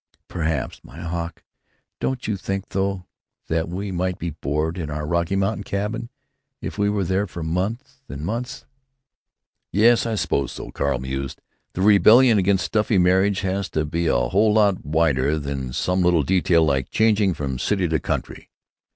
"Perhaps, my Hawk.... Don't you think, though, that we might be bored in your Rocky Mountain cabin, if we were there for months and months?" "Yes, I suppose so," Carl mused. "The rebellion against stuffy marriage has to be a whole lot wider than some little detail like changing from city to country.